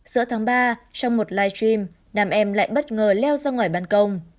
giữa tháng ba trong một live stream nam em lại bất ngờ leo ra ngoài bàn công